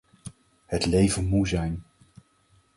Het leven moe zijn.